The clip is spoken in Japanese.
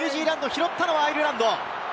拾ったのはアイルランド。